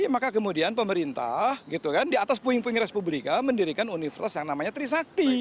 maka kemudian pemerintah di atas puing puing respublika mendirikan universitas yang namanya trisakti